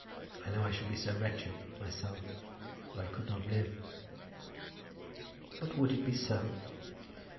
I know I should be so wretched, myself, that I could not live." "But would it be so?"